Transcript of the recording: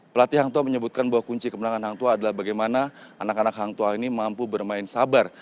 pelatih hangtua menyebutkan bahwa kunci kemenangan hangtua adalah bagaimana anak anak hangtua ini mampu bermain sabar